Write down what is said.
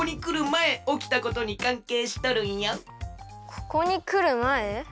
ここにくるまえ？